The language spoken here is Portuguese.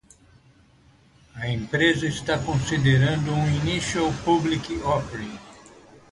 A empresa está considerando um Initial Public Offering (IPO).